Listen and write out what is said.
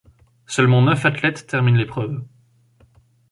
Seulement neuf athlètes terminent l'épreuve.